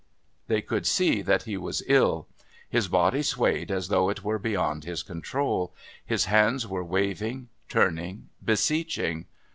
They could see that he was ill. His body swayed as though it were beyond his control. His hands were waving, turning, beseeching....